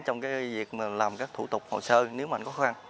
trong việc làm các thủ tục hồ sơ nếu mà anh có khó khăn